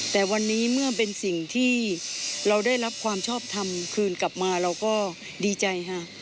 แต่วันนี้เมื่อเป็นสิ่งที่เราได้รับความชอบทำคืนกลับมาเราก็ดีใจค่ะ